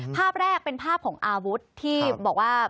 ภาพแรกเป็นภาพของอาวุธที่บอกว่า